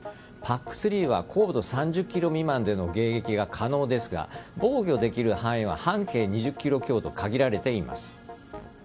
ＰＡＣ‐３は高度３０ｋｍ未満での迎撃が可能ですが防御できる範囲は半径２０ｋｍと限られています。